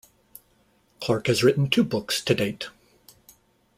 Clarke has written two books to date.